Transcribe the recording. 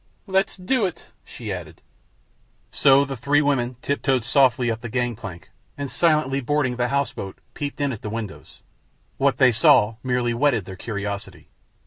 "Let's do it," she added. So the three women tiptoed softly up the gang plank, and, silently boarding the house boat, peeped in at the windows. What they saw merely whetted their curiosity.